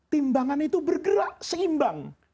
timbangan itu bergerak seimbang